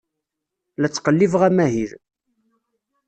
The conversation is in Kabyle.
La ttqellibeɣ amahil.